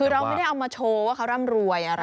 คือเราไม่ได้เอามาโชว์ว่าเขาร่ำรวยอะไร